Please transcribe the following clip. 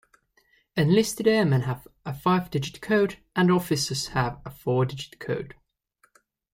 Enlisted airmen have a five digit code, and officers have a four digit code.